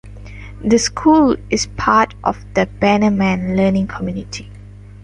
The school is part of the Bannerman Learning Community.